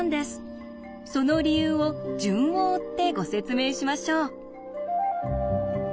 その理由を順を追ってご説明しましょう。